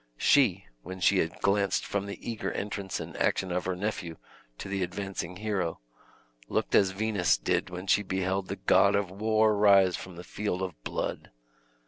She, when she had glanced from the eager entrance and action of her nephew to the advancing hero, looked as Venus did when she beheld the god of war rise from a field of blood.